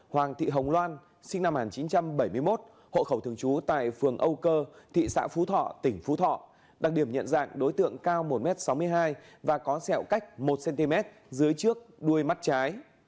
hoàng thị hồng loan sinh năm một nghìn chín trăm bảy mươi một hộ khẩu thường trú tại phường âu cơ thị xã phú thọ tỉnh phú thọ đặc điểm nhận dạng đối tượng cao một m sáu mươi hai và có sẹo cách một cm dưới trước đuôi mắt trái